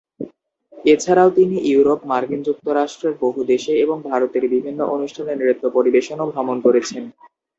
এছাড়াও তিনি ইউরোপ, মার্কিন যুক্তরাষ্ট্রের বহু দেশে এবং ভারতের বিভিন্ন অনুষ্ঠানে নৃত্য পরিবেশন এবং ভ্রমণ করেছেন।